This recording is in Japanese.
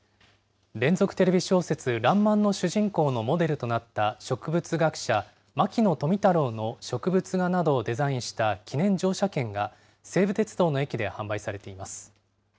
連続テレビ小説、らんまんの主人公のモデルとなった植物学者、牧野富太郎の植物画などをデザインした記念乗車券が、西武鉄道の駅で販売されています。